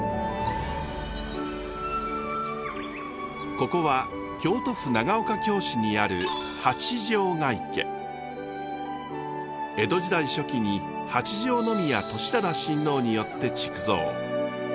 ここは京都府長岡京市にある江戸時代初期に八条宮智忠親王によって築造。